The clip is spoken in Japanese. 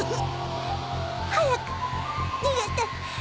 早く逃げて。